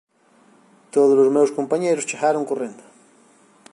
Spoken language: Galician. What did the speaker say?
todos os meus compañeiros chegaron correndo.